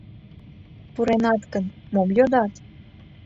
Пуренат гын, мом йодат?